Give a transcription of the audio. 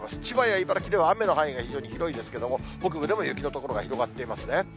千葉や茨城では雨の範囲が非常に広いですけれども、北部でも雪の所が広がっていますね。